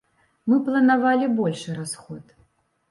Мы планавалі большы расход.